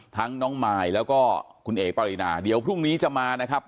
น้องมายแล้วก็คุณเอ๋ปรินาเดี๋ยวพรุ่งนี้จะมานะครับ